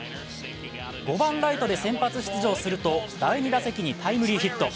５番・ライトで先発すると、第２打席にタイムリーヒット。